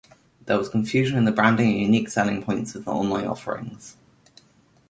There was confusion in the branding and unique selling points of the online offerings.